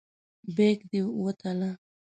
بیک دې وتله.